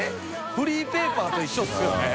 フリーペーパーと一緒ですよね。